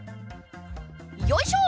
よいしょ！